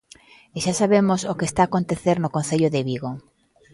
E xa sabemos o que está a acontecer no concello de Vigo.